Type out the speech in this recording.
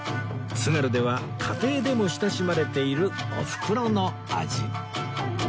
津軽では家庭でも親しまれているおふくろの味